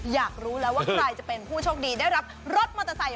อยากรู้แล้วว่าใครจะเป็นผู้โชคดีได้รับรถมอเตอร์ไซค์